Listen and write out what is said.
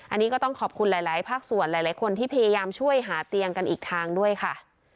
อันนี้ก็ต้องขอบคุณหลายภาคส่วนหลายคนที่พยายามช่วยหาเตียงกันอีกทางด้วยค่ะ